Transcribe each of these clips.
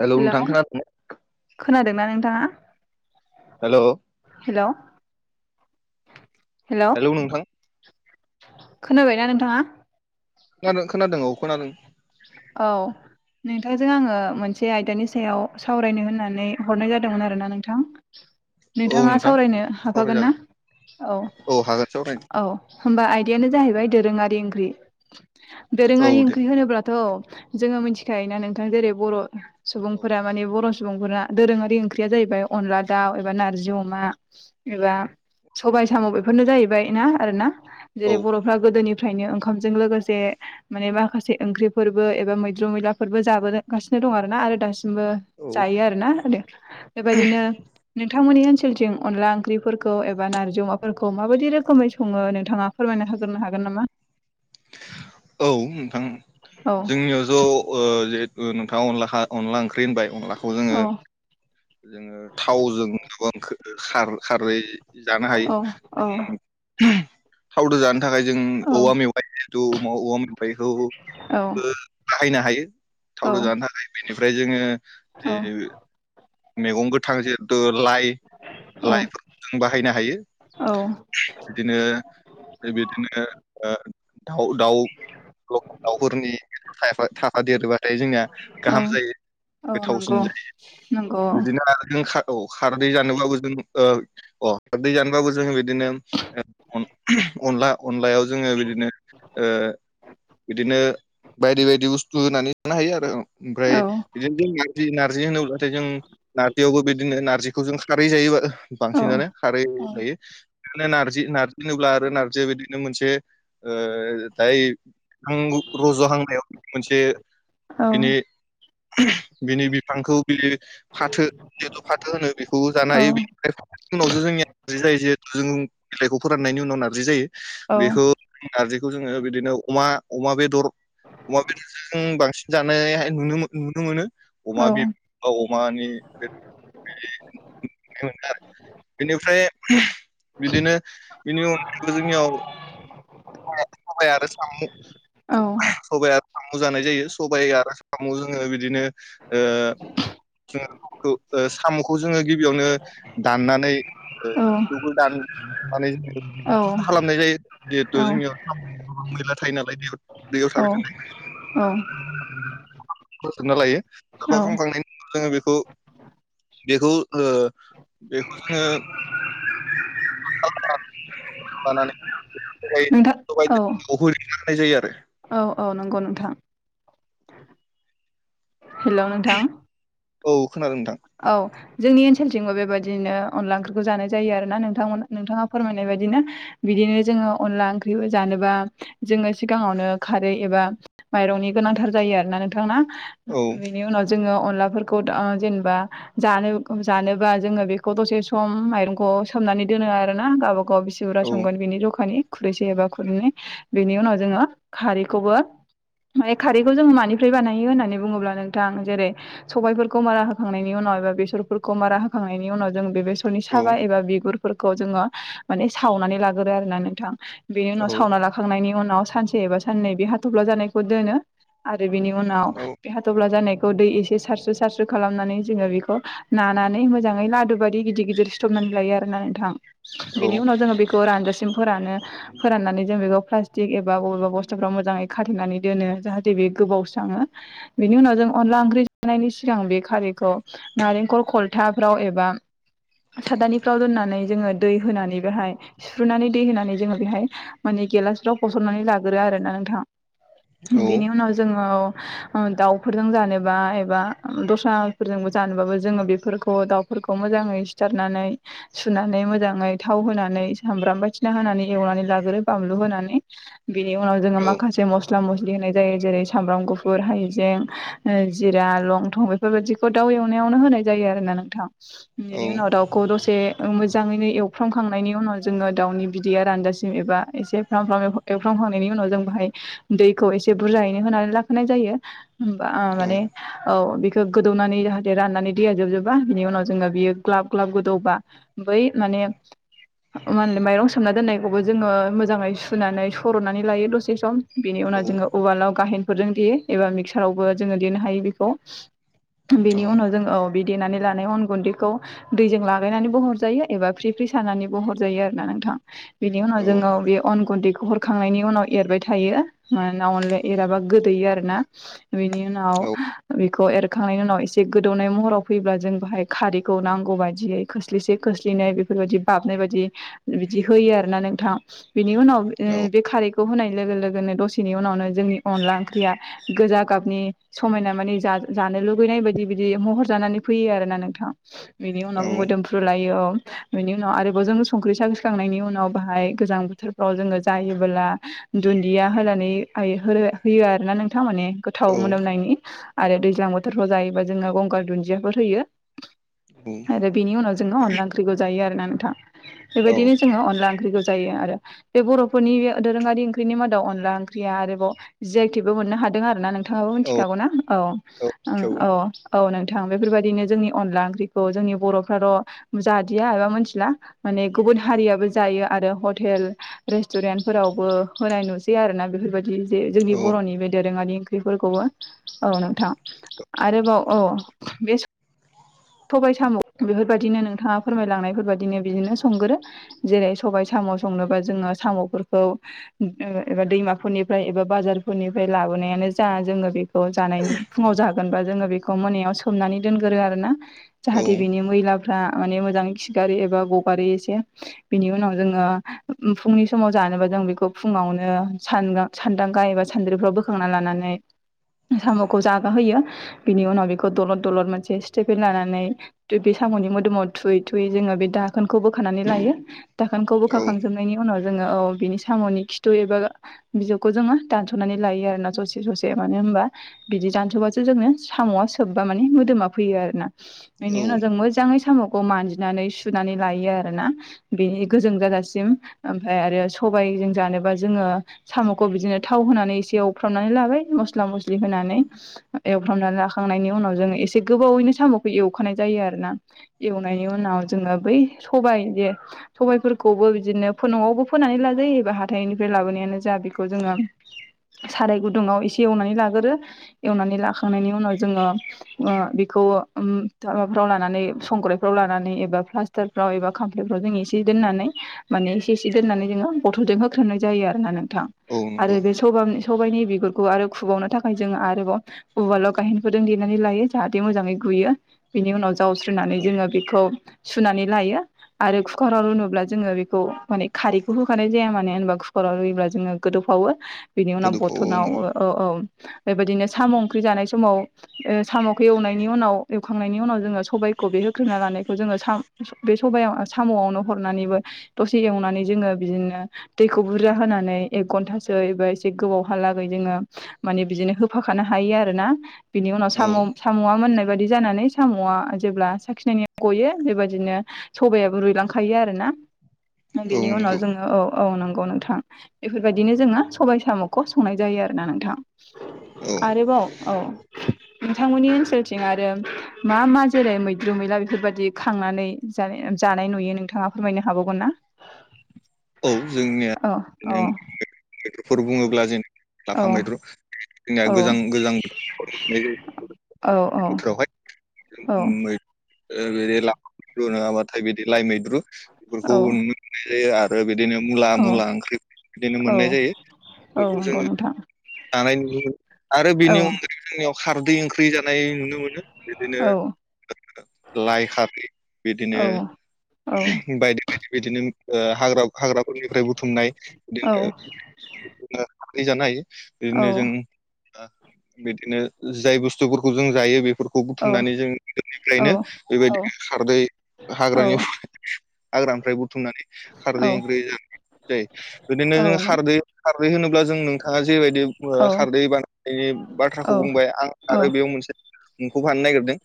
Hello hello नोंथां खोनादों खोनादोंना नोंथाङा हेलौ हेल' हेल' हेलौ नोंथां खोनाबायना नोंथाङा खोनादों खोनादों औ खोनादों औ नोंथांजों आङो मोनसे आयदानि सायाव सावरायनो होननानै हरनाय जादोंमोन आरो ना नोंथां औ नोंथाङा नोंथां सावरायनो हाबफागोन ना सावरायजागोन औ हागोन सावरायनो औ होमबा आयदायानो जाहैबाय दोरोङारि ओंख्रि औ दोरोङारि दे ओंख्रि होनोब्ला थ' जोङो मिथिखायोना नोंथां जेरै बर' औ सुबुंफोरा माने बर' सुबुंफोरा दोरोङारि ओंख्रिया जाहैबाय अनला दाउ एबा नारजि अमा एबा सबाय साम' बेफोरनो जाहैबाय ना आरो ना जेरै औ बर'फ्रा गोदोनिफ्रायनो ओंखामजों लोगोसे माने माखासे ओंख्रि फोरबो एबा मैद्रु मैलाफोरबो जाबोगासिनो दं आरोना आरो दासिमबो औ जायो आरोना आरो बेबायदिनो नोंथांमोननि ओनसोलथिं अनला ओंख्रिफोरखौ एबा नारजि अमाफोरखौ माबायदि रोखोमै सङो नोंथाङा फोरमायना होग्रोनो हागोन नामा औ नोंथां औ जोंनियाव ज' जिहेथु नोंथाङा अनला खा अनला ओंख्रि होनबाय अनलाखौ जोङो औ जोङो थावजों गोबां खार खारै जानो औ हायो थावदो जानो थाखाय जों औ औवा मेवाइ जिहेथु औवा मेवाइखौबो बाहायनो हायो। थावदो जानो थाखाय बेनिफ्राय जोङो मैगं गोथां जिहेतु लाइ औ लाइफोरखौ जों बाहायनो हायो। औ बिदिनो बिदिनो दाउ दाउ लकेल दावफोरनि थाफा देरोबाथाय जोंना औ गाहाम जायो। औ नंगौ। गोथावसिन जायो औ नंगौ बिदिनो आरो जों औ खारदै जानोबाबो जों अ दै जानोबाबो जोंङो बिदिनो अनला अनलायाव जोङो बिदिनो ओ बिदिनो बायदि बायदि बुस्थु होनानै संनो हायो आरो औ ओमफ्राय बिदिनो जों नारजि नारजि होनोब्ला नाथाय जों नारजियावबो बिदिनो नारजिखौ जों खारै जायो औ बांसिनानो खारै औ होनायो बेनो नारजि नारजि होनोब्ला आरो नारजिया बिदिनो मोनसे ओ दायो नों रज'हांनायाव मोनसे औ बिनि बिनि बिफांखौ बे फाथो जिहेतु फाथो होनो बेखौ जानो औ हायो बे बेखांनायनि उनावसो जोंनिया नारजि जायो जिहेथु जों बिलाइखौ फोराननायनि उनाव नारजि जायो औ बेखौ नारजिखौ जोङो बिदिनो अमा अमा बेदर अमा बेदरजों जों बांसिन जानायहाय नुनो नुनो मोनो अमा बे बा अमानि बेदर मोन आरो [unintelligible] बेनिफ्राय बिदिनो बेनि अनगायैबो जोंनियाव सबाय आरो सामु औ सबाइ आरो साम' जानाय जायो सबाइ आरो साम' जोङो बिदिनो ओ जोङो साम'खौ ओ साम'खौ जोङो गिबियावनो दाननानै [unintelligible] साफा खालामनाय जायो जिहेथु जोंनियाव [unintelligible] मैला थायो नालाय दै दैयाव थाबाय थानाय [unintelligible] फोसोबना लायो साफा खालामखांनायनि उनाव जोङो बेखौ बेखौ ओ बेखौ जोङो [unintelligible] मानानै होनाय नोंथां जायो आरो औ औ नंगौ नोंथां हेल' नोंथां। औ खोनादों नोथां। औ जोंनि ओनसोलथिंबो बेबायदिनो अनला ओंख्रिखौ जानाय जायो आरो ना नोंथांमोन नोंथाङा फोरमायनाय बायदिनो बिदिनो जोङो अनला ओंख्रिबो जानोबा जोङो सिगाङावनो खारै एबा माइरंनि गोनांथार जायो आरोोना नोंथां औ बेनि उनाव जोङो अनलाफोरखौ जेनेबा जानो जानोबा जोङो बेखौ दसे सम माइरंखौ सोमनानै दोनो आरोना गावबा गाव बिसि औ बुराजा संगोन बिनि जखानि खुरैसे एबा खुरैै बेनि उनाव जोङो खारैखौबो माने खारैखौ जोङो मानिफ्राय बानायो होननानै बुङोब्ला नोंथां जेरै सबायफोरखौ मारा होखांनाय उनाव एबा बेसरफोरखौ मारा होखांनायनि उनाव जों बेसरनि औ सा एबा बिगुर फोर जोङो माने सावनानै लागोरो आरोोना नोंथां बेनि उनाव औ सावना ला खांनायनि उनाव सानसे एबा साननै बे हाथफ्ला जानायखौ दोनो आरो बिनि उनाव औ हाथफ्ला जानायखौ दै एसे सारस्रो सारस्रो खालामनानै जोङो बेखौ नानानै मोजाङै लादु बायि गिदिर गिदिर सिथ'नानै लायो आरो ना नोंथां। औ बिनि उनाव जोङो बेखौ रानजासिम फोरानो फोराननानै जों बेखौ प्लास्टिक एबा बबेबा बुस्थुफ्राव मोजाङै खाथेनानै दोनो जाहाथे बे गोबावस्राङो बिनि उनाव जों अनला ओंख्रि जानायनि सिगां बे खारैखौ नारेंखल खलथाफ्राव एबा सादानिफ्राव दोननानै जोङो दै होनानै बेहाय सिफ्रुनानै दै होनानै जोङो बेहाय माने गेलासाव होसननानै लाग्रो आरो ना नोंथां। बेनि उनाव जोङो दाउफोरजों जानोबा एबा दस्राफोरजोंबो जानोबाबो जोङो बेफोरखौ दाउफोरखौ मोजाङै सिथारनानै सुनानै मोजाङै थाव होनानै सामब्राम बायथिना होनानै एवनानै लाग्रोयो बानलु होनानै बिनि उनाव जोङो औ माखासे मस मस्ला मस्लि होनाय जायो जेरै सामब्राम गुफुर हाइजें जिरा लंथं बेफोरबायदिखौ दाउ एवनायावनो होनाय जायो आरो ना नोंथां बेनि उनाव दाउ खौ दसे मोजाङैनो एवफ्रामखांनायनि उनाव जोङो दाउनि बिदैया रानजासिम एबा एसे फ्राम फ्राम एवफ्रांखांनायनि उनाव जों बाहाय दैखौ एसे बुरजायैनो होनानै लाखानाय जायो। बा माने औ बेखौ गोदौनानै जाहाथे राननानै दैया जोबजोबा बिनि उनाव जोङो बियो ग्लाब ग्लाब गोदौबा बै माने मा होनो माइरं सोमना दोननायखौबो जोङो मोजाङै सुनानै सर'नानै लायो दसे सम। बेनि औ उनाव जोङो उवालाव गाहेनफोरजों देयो एबा मिक्सारावबो जोङो देनो हायो बेखौ। बेनि औ उनाव जोङो औ बि देनानै लानाय अन गुन्दैखौ दैजों लागायनानैबो हरजायो एबा फ्रि फ्रि सारनानैबो हरजायो आरो ना नोंथां। बिनि उनाव औ जोङो बे अन गुन्दैखौ हर खांनायनि उनाव एरबाय थायो मानोना अनलाया एराबा गोदोयो आरोना। बिनि उनाव बेखौ एरखांनायनि उनाव एसे गोदौनाय महराव फैब्ला जों बाहाय खारैखौ नांगौ बायदियै खोस्लिसे खोस्लिनै बेफोरबायदि बाबनाय बायदि बिदि होयो आरोना नोंथां बिनि उनाव नंगौ बे खारै खौ होनाय लोगो लोगोनो दसेनि उनावनो जोंनि अनला ओंख्रिया गोजा गाबनि समायना माने जानो लुगैनाय बायदि बिदि बिदि महर जानानै फैयो आरो ना नोंथां बिनि उनाव मोदोमफ्रु फ्रुलायो बेनि उनाव आरोबाव जों संख्रि साखिखांनायनि उनाव बाहाय गोजां बोथोर र' जोङो जायोबोला दुन्दिया होनानै होयो आरो ना नोंथां माने गोथाव मोनामनायनि आरो दैज्लां बोथोरफ्राव जायोबा जोङो गंगार दुन्दियाफोर होयो औ बिनि उनाव जोङो अनला ओंख्रिखौ जायो आरोना नोंथां बेबायदिनो जोङो अनला ओंख्रिखौ जायो आरो। बे बर'फोरनि बे दोरोङारि ओंख्रिनि मादाव अनला ओंख्रिया आरोबाव जि आइ टेकबो मोननो हादों आरोना नों नोंथाङाबो मिथिखागौना औ औ औ नोंथां बेफोरबायदिनो जोंनि अनला ओंख्रिखौ जोंनि बर'फ्राल' जादिया एबा मोनथिला माने गुबुन हारियाबो जायो आरो हटेल रेस्तुरेन्टफोरावबो होनाय नुसै आरो ना बेफोरबायदि जे जोंनि बर'नि बे दोरोङारि ओंख्रिफोरखौबो औ नोंथां आरोबाव अ बे स सबाय साम' बेफोरबायदिनो नोंथाङा फोरमायलांनायफोरबायदिनो बिदिनो संगोरो। जेरै सबाय साम' संनोबा जोङो साम'फोरखौ एबा दैमाफोरनिफ्राय एबा बाजारफोरनिफ्राय लाबोनायानो जा जोङो बे खौ जानायनि फुङाव जागोनबा जोङो बेखौ मोनायाव सोमनानै दोनगोरो आरो ना जाहाथे बिनि मैलाफ्रा माने मोजाङै खिगारो एबा गगारो एसे बिनि उनाव जोङो फुंनि समाव जानोबा जों बेखौ फुङावनो सानगा सान्दांगा एबा सान्द्रिफ्राव बोखांना लानानै साम'खौ जागा होयो। बिनि उनाव बेखौ दलद दलद मोनसे स्टेपेन लानानै बे साम'नि मोदोमाव थुयै थुयै जोङो बे दाखोनखौ बोखानानै लायो दाखोनखौ बोखाखांजोबना नायनि उनाव जोङो औ बिनि साम'नि खिथु एबा बिजौखौ जोङो दानस'नानै लायो आरोना ससे ससे मानो होनबा बिदि दानस'बासो जोङो साम'आ सोबबा माने मोदोमा फैयो आरोना बेनि उनाव जों मोजाङै साम' खौ मानजिनानै सुनानै लायो आरो ना। बेनि गोजों जाजासिम ओमफ्राय आरो सबायजों जानोबा जोङो साम'खौ बिदिनो थाव होनानै एसे एवफ्रामनानै लाबाय मस्ला मस्लि होनानै एव हमना लाखांनायनि उनाव जोङो एसे गोबावैनो साम'खौ एवखानाय जायो आरो ना। एवनायनि उनाव जोङो बै सबाइ जे सबायफोरखौबो बिदिनो फोनौआवबो फोनानै लाजायो एबा हाथाइनिफ्राय लाबोनायानो जा बेखौ जोङो साराय गुदुंआव एसे एवनानै लाग्रोरो एवनानै लाखांनायनि उनाव जोङो ओ बेखौ उम माबाफ्राव लानानै संग्रायफ्राव लानानै एबा प्ला दाफ्राव एबा खामफ्लेफ्राव जों एसे दोननानै माने एसे इसे दोननानै जोङो बथलजों होख्रेनाय जायो आरो ना नोंथां। आरो बे स सबायाइनि बिगुरखौ आरो खुबावनो थाखाय जोङो आरोबाव उवालाव गायहेनखौजों देनानै लायो जाहाथे मोजाङै गुयो। बिनि उनाव जावस्रैनानै औ जोङो बेखौ सुनानै लायो। आरो खुकाराव रुनोब्ला जोङो बेखौ माने खारैखौ होखानाय जाया मानो होनबा खुकाराव रुयोब्ला जोङो गोदौफावो बिनि उनाव बथनाव गोदौफावो औ औ बेबायदिनो साम ओंख्रि जानाय समाव साम'खौ एवनायनि उनाव एवखांनायनि उनाव जोङो सबायखौ बे होख्रेना लानायखौ जोङो साम बे सब साम'आवनो हरनानैबो दसे एवनानै जोङो बिदिनो दैखौ बुरजा होनानै एक घन्टासो एबा एसे गोबावहालागै जोङो माने बिदिनो होफाखानो हायो आरो ना बिनि उनाव साम' औ साम'आ मोननाय बायदि जानानै साम'आ जेब्ला साखिनायनि गयो बेबायदिनो सबायाबो रुइलांखायो आरो ना बेनि उनाव जोङो औ औ नंगौ नोंथां बेफोरबायदिनो जोङो सबाय साम'खौ संनाय जायो आरो ना नोंथां। औ आरोबाव औ। नोंथांमोननि ओनसोलथिं आरो मा मा जेरै मैद्रु मैला बेफोरबायदि खांनानै जानाय नुयो नोंथाङा फोरमायनो हाबावगोन ना? औ जोंनिया औ औ बिनो मैद्रुफोर बुङोब्ला जों औ लाफा मैद्रु जोंनिया औ गोजां गोजां [unintelligible] बोथोरावहाय मोननाय औ जायो [unintelligible] औ बोथोरावहाय। बिदि ला मैद्रु नङाबाथाय बिदि लाइ मैद्रु बेफोरखौ नुनो मोननाय जायो आरो। ओ आरो बिदिनो मुला औ मुला ओंख्रि बिदिनो औ मोननाय जायो। औ बेफोरखौ नंगौ जोङो नोंथां जानाय नुनो मोनो। आरो औ बेनि अनगायै जोंनियाव खारदै ओंख्रि जानाय नुनो मोनो। बिदिनो औ लाय खारै। बिदिनो औ औ बायदि बायदि बिदिनो हाग्रा हाग्राफोरनिफ्राय बुथुमनाय औ बिदिनो [unintelligible] जानो हायो। औ बिदिनो जों ओ बिदिनो जाय बुस्थुफोरखौ जों जायो। बेफोरखौ खौ औ बुथुमनानै जों औ गोदोनिफ्रायनो बेबायदि खारदै हाग्रानि हाग्रानिफ्राय बुथुमनानै [unintelligible] जाय बिदिनो जों औ खारदै खारदै होनोब्ला जों नोंथाङा जेबायदि खारदै बान बाथ्राखौ बुंबाय आं औ आरो बेयाव मोनसे मुंखफानो नागिरदों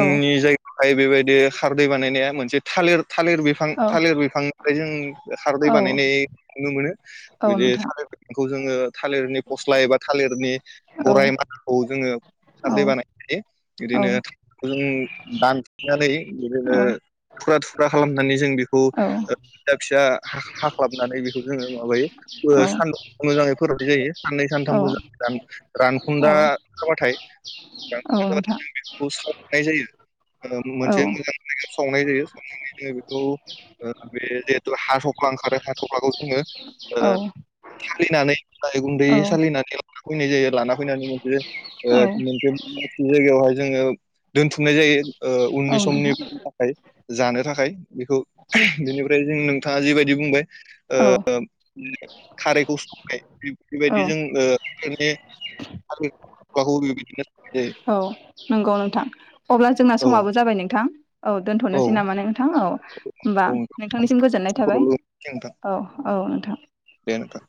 औ औ जायगा ओमफ्राय बेबायदि खारदै बानायनाया मोनसे थालिर थालिर बिफां औ थालिर बिफांनिफ्राय जों खारदै औ बानायनाय नुनो मोनो। औ बिदि नोंथां सारायथिंखौ जोङो थालिरनि फस्लाय एबा थालिरनि औ गाराइ मादाखौ जोङो औ खारदै बानायायो औ बिदिनो जों दानफायनानै बिदिनो औ थुखुरा थुख्रा खालामनानै जों बेखौ [unintelligible] फिसा हा-हाख्लाबनानै बेखौ जोङो माबायो औ सान्दुं मोजाङै फोराननाय जायो। साननै सानथामबो जान औ रान-रानखुदा। [unintelligible] थाय बा औ नोंथां बेखौ सावनाय जायो औ मोनसे मोजां सावनाय जायो सावनानै जों बेखौ ओ बे जे हा थफ्ला ओंखारो हा थफ्लाखौ जोङो औ ओ सालिनानै गाय गुन्दै औ सालिनानै लाना फैनाय जायो। लाना फैनानै मोनसे ओ मोनसे जायगायावहाय जोङो दोनथुमनाय जायो उननि औ समनि नोंथां थाखाय जानो थाखाय बेखौ बेनिफ्राय जों नोंथाङा जिबायदि बुंबाय औ खारैखौ संनाय बेबायदि जों मे [unintelligible] औ नंगौ नोंथां अब्ला जोंना जायो। औ समाबो जाबाय नोंथां औ दोनथ'नोसै नामा नोंथां औ होमबा औ नोंथांनिसिम गोजोननाय थाबाय नोंथां औ औ नोंथां दे नोंथां